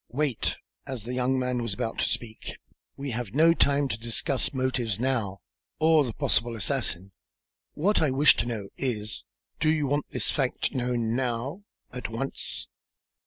Wait," as the young man was about to speak, "we have no time to discuss motives now, or the possible assassin. What I wish to know is, do you want this fact known now at once?"